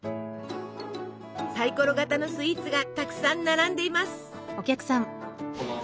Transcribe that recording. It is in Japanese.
サイコロ型のスイーツがたくさん並んでいます！